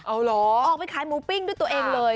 ออกไปขายหมูปิ้งด้วยตัวเองเลย